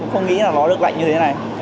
không nghĩ là nó được lạnh như thế này